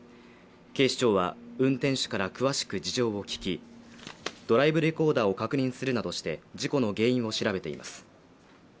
警視庁は運転手から詳しく事情を聞きドライブレコーダーを確認するなどして事故の原因を調べています